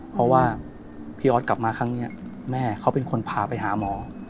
เพราะว่าพี่ออสกลับมาครั้งนี้แม่เขาเป็นคนพาไปหาหมอ